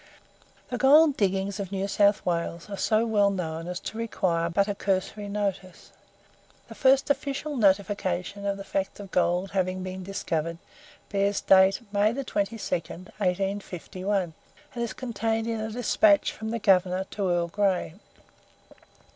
The gold diggings of New South Wales are so well known as to require but a cursory notice. The first official notification of the fact of gold having been discovered bears date, May 22, 1851, and is contained in a despatch from the Governor to Earl Grey.